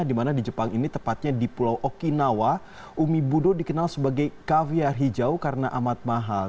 dimana di jepang ini tepatnya di pulau okinawa umi budo dikenal sebagai kaviar hijau karena amat mahal